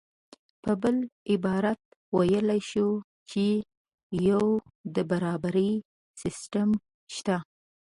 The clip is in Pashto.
په بل عبارت ویلی شو چې یو د برابرۍ سیستم شته